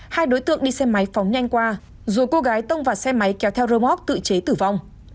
hai đối tượng đi xe máy phóng nhanh qua dù cô gái tông vào xe máy kéo theo rơ móc tự chế tử vong